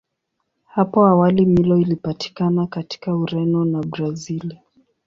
Hapo awali Milo ilipatikana katika Ureno na Brazili.